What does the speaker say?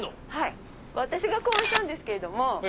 私が考案したんですけれども。